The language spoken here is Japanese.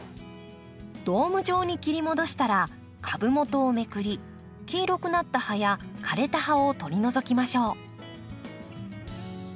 ドーム状に切り戻したら株元をめくり黄色くなった葉や枯れた葉を取り除きましょう。